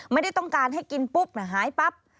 ไม่ได้ต้องการให้กินปุ๊บหายปั๊บ